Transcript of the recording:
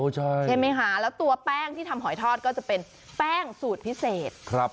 ใช่ไหมคะแล้วตัวแป้งที่ทำหอยทอดก็จะเป็นแป้งสูตรพิเศษครับ